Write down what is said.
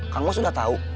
kan gue sudah tahu